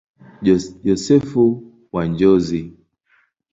Yosefu wa Njozi.